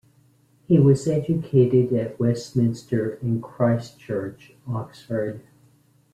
He was educated at Westminster and Christ Church, Oxford.